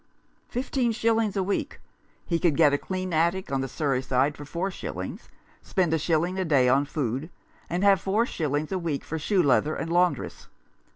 Fifteen shillings a week ! He could get a clean attic on the Surrey side for four shillings, spend a shilling a day on food, and have four shillings a week for shoe leather and laundress.